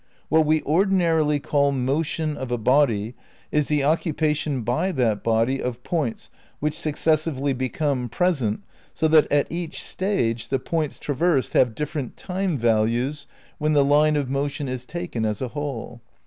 What we ordinarily call motion of a body is the occupation by that body of points which successively be come present, so that at each stage the points traversed have dif ferent time values when the line of motion is taken as a whole.